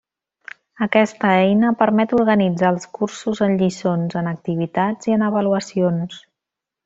Aquesta eina permet organitzar els cursos en lliçons, en activitats i en avaluacions.